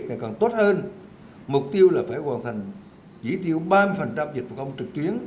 ngày càng tốt hơn mục tiêu là phải hoàn thành chỉ tiêu ba mươi dịch vụ không trực chuyến